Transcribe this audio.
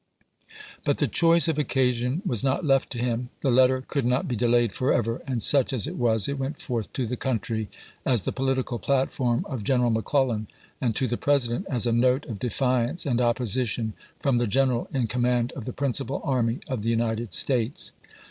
But the choice of occasion was not left to him ; the letter could not be delayed forever, and such as it was, it went forth to the country as the political platform of Gen eral McClellan, and to the President as a note of defiance and opposition from the general in com mand of the principal army of the United States.